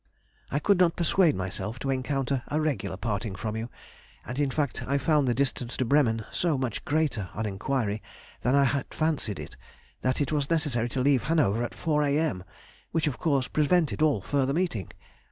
I could not persuade myself to encounter a regular parting with you, and, in fact, I found the distance to Bremen so much greater, on enquiry, than I had fancied it, that it was necessary to leave Hanover at four a.m., which, of course, prevented all further meeting.